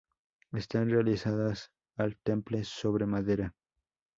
Están realizadas al temple sobre madera.